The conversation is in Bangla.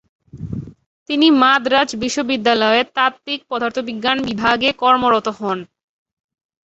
তিনি মাদ্রাজ বিশ্ববিদ্যালয়ের তাত্ত্বিক পদার্থবিজ্ঞানের বিভাগে কর্মরত হন।